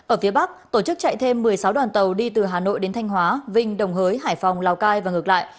ở phía bắc tổ chức chạy thêm một mươi sáu đoàn tàu đi từ hà nội đến thanh hóa vinh đồng hới hải phòng lào cai và ngược lại